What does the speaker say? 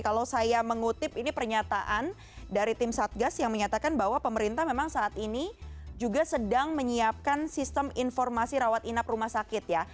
kalau saya mengutip ini pernyataan dari tim satgas yang menyatakan bahwa pemerintah memang saat ini juga sedang menyiapkan sistem informasi rawat inap rumah sakit ya